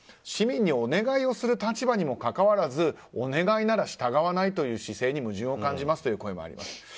市民にお願いする立場にもかかわらずお願いなら従わないという姿勢に矛盾を感じますという声。